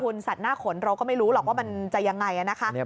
คุณสัตว์หน้าขนเราก็ไม่รู้หรอกว่ามันจะยังไงนะคะ